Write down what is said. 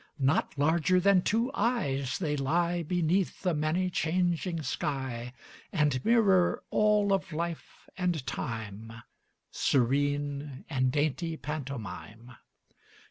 Not larger than two eyes, they lie Beneath the many changing sky And mirror all of life and time, Serene and dainty pantomime.